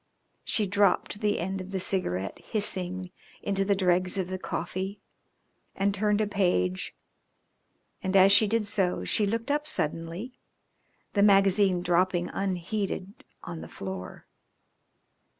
She dropped the end of the cigarette hissing into the dregs of the coffee and turned a page, and, as she did so, she looked up suddenly, the magazine dropping unheeded on the floor.